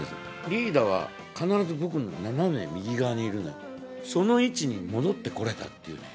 リーダーは必ず僕の斜め右側にいるので、その位置に戻ってこれたっていうね。